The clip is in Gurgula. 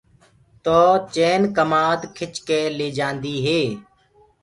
تو چين ڪمآد کِچ ڪي لي جآندي۔